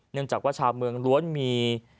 เนื่องจากว่าชาวเมืองล้วนมี